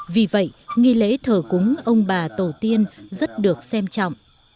vì vậy nghi lễ thờ cúng ông bà tổ tiên rất được xem trọng